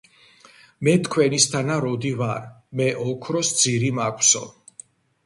მე თქვენისთანა როდი ვარ, მე ოქროს ძირი მაქვსო.